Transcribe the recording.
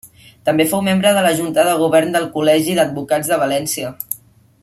També fou membre de la junta de govern del Col·legi d'Advocats de València.